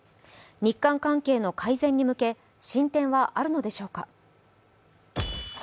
日韓関係の改善に向け進展はあるのでしょうか。